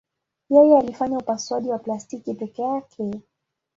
Yeye alifanya upasuaji wa plastiki peke yake.